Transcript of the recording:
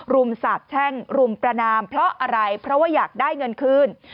สาบแช่งรุมประนามเพราะอะไรเพราะว่าอยากได้เงินคืน